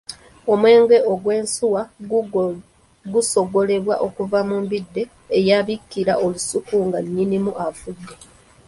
Omwenge ogw'essuumwa gusogolebwa kuva mu mbidde eyabikira olusuku nga nnyinimu afudde.